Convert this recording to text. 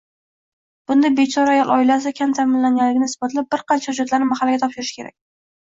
Bunda bechora ayol oilasi kam ta'minlanganligini isbotlab, bir qancha hujjatlarni Mahallaga topshirishi kerak